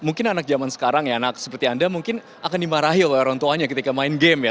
mungkin anak zaman sekarang ya anak seperti anda mungkin akan dimarahi oleh orang tuanya ketika main game ya